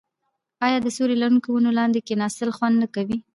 آیا د سیوري لرونکو ونو لاندې کیناستل خوند نه کوي؟